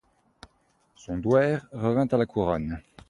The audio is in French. Son douaire revint à la couronne.